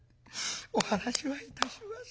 お話はいたします。